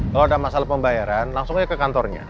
kalau ada masalah pembayaran langsung aja ke kantornya